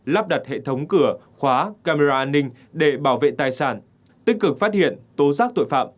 lắp đặt hệ thống cửa khóa camera an ninh để bảo vệ tài sản tích cực phát hiện tố giác tội phạm